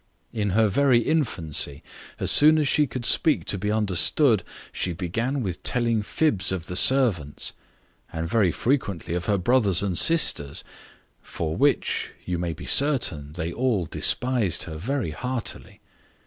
In her very infancy, as soon as she could speak to be understood, she began with telling fibs of the servants, and very frequently of her brothers and sisters; for which, you may be certain, they all despised her very heartily.